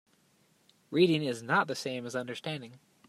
Reading is not the same as understanding.